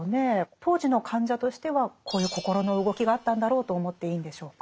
当時の患者としてはこういう心の動きがあったんだろうと思っていいんでしょうか。